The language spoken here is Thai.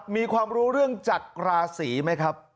มีความรู้เรื่องจากราศีไหมครับ